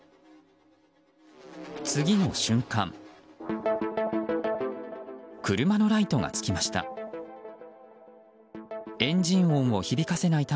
次の瞬間車のライトがつきました。